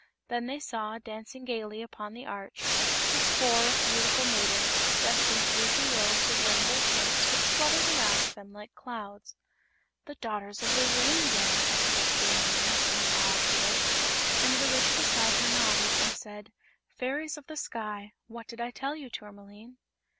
Then they saw, dancing gaily upon the arch, a score of beautiful maidens, dressed in fleecy robes of rainbow tints which fluttered around them like clouds. "The Daughters of the Rainbow!" whispered Tourmaline, in an awed voice, and the Witch beside her nodded and said: "Fairies of the sky. What did I tell you, Tourmaline?"